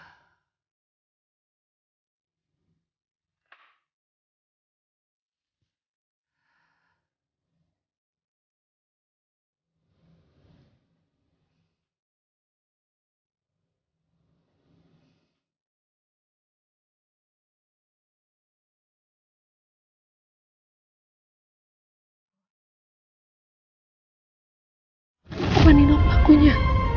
apaan ini pelakunya